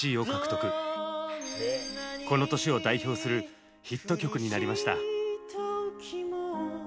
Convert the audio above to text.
この年を代表するヒット曲になりました。